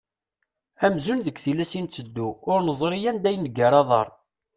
Amzun deg tillas i nteddu, ur neẓri anda i neggar aḍar.